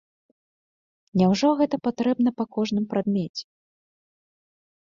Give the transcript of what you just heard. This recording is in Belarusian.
Няўжо гэта патрэбна па кожным прадмеце?